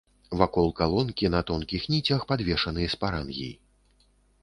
Вакол калонкі на тонкіх ніцях падвешаны спарангій.